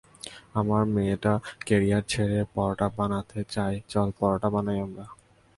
আমার মেয়েটা ক্যারিয়ার ছেড়ে পরাটা বানাতে চায় চল, পরাটা বানাই আমরা।